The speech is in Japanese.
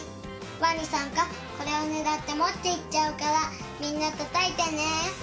ワニさんがこれをねらってもっていっちゃうからみんなたたいてね！